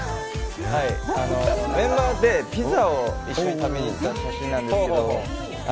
メンバーでピザを一緒に食べに行った写真です。